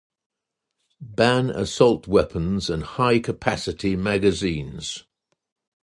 Ban assault weapons and high-capacity magazines.